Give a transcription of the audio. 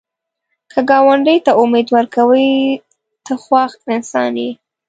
که ګاونډي ته امید ورکوې، ته خوښ انسان یې